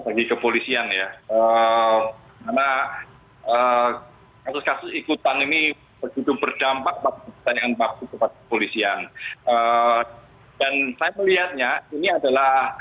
bagi kepolisian ya karena kasus kasus ikutan ini begitu berdampak dan saya melihatnya ini adalah